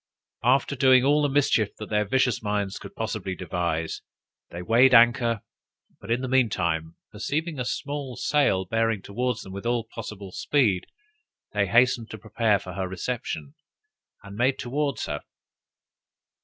After doing all the mischief that their vicious minds could possibly devise, they weighed anchor; but in the mean time, perceiving a sail bearing towards them with all possible speed, they hastened to prepare for her reception, and made towards her.